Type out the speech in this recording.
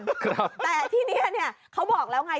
แต่ที่นี้เนี่ยเขาบอกแล้วไง